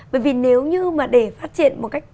bởi vì nếu như mà để phát triển một cách